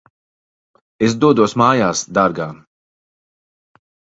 Es dodos mājās, dārgā.